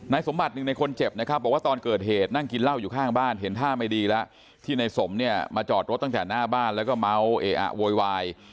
สมบัติหนึ่งในคนเจ็บนะครับบอกว่าตอนเกิดเหตุนั่งกินเหล้าอยู่ข้างบ้านเห็นท่าไม่ดีแล้วที่ในสมเนี่ยมาจอดรถตั้งแต่หน้าบ้านแล้วก็เมาเออะโวยวาย